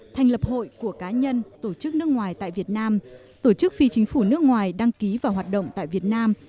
thành lập hội của cá nhân tổ chức nước ngoài tại việt nam